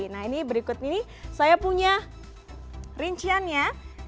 nah ini berikut ini saya punya rinciannya